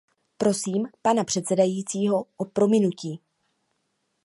Prosím pana předsedajícího o prominutí.